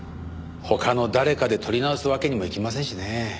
他の誰かで撮り直すわけにもいきませんしね。